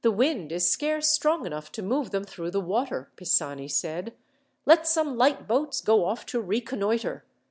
"The wind is scarce strong enough to move them through the water," Pisani said. "Let some light boats go off to reconnoitre.